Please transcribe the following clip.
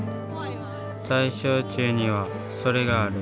大正中にはそれがある。